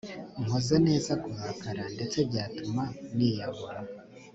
nkoze neza kurakara ndetse byatuma niyahura